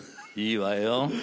いいわよ。